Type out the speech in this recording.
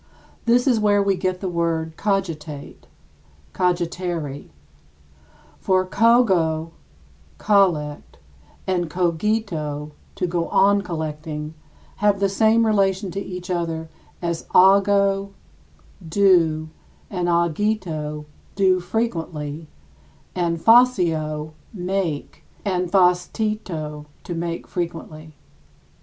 This is where we get the word cogitate [cogitare]. For cogo [collect] and cogito [to go on collecting] have the same relation to each other as ago [do] and agito [do frequently], and facio [make] and factito [make frequently].